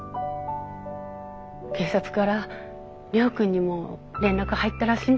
警察から亮君にも連絡入ったらしいんだけど。